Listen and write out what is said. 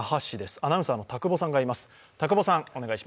アナウンサーの田久保さんがいます。